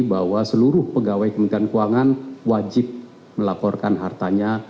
bahwa seluruh pegawai kementerian keuangan wajib melaporkan hartanya